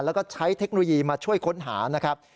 แล้วก็ใช้เทคโนโลยีมาช่วยค้นหานะครับ